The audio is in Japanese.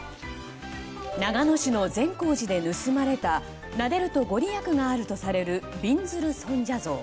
長野市の善光寺で盗まれたなでると御利益があるとされるびんずる尊者像。